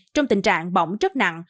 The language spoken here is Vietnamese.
trong tình trạng bỏng rất nặng